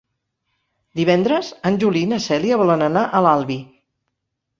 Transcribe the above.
Divendres en Juli i na Cèlia volen anar a l'Albi.